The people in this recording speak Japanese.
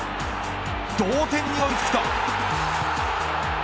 同点に追いつくと。